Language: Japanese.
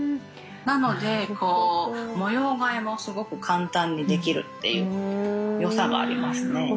なので模様替えもすごく簡単にできるっていうよさがありますね。